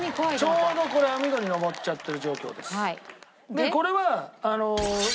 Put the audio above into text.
ちょうどこれ網戸に登っちゃってる状況です。